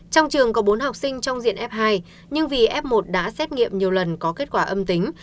trong trường có bốn học sinh trong diện f hai nhưng vì f một đã xét nghiệm nhiều lần có kết quả âm tính